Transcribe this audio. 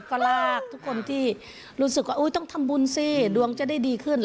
ก็ลากทุกคนที่รู้สึกว่าต้องทำบุญสิดวงจะได้ดีขึ้น